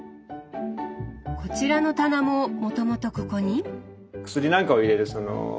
こちらの棚ももともとここに？